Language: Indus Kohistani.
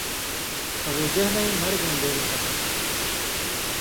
ابوجہلئیں مرگئیں بِیلی خبر